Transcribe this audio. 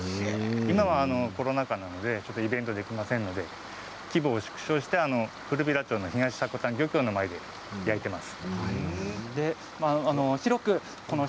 今はコロナ禍で行けませんので規模を縮小して古平町の東積丹漁港の前で焼いています。